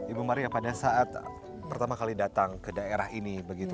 ibu maria pada saat pertama kali datang ke daerah ini